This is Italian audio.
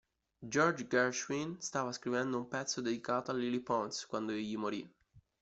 George Gershwin stava scrivendo un pezzo dedicato a Lily Pons quando egli morì.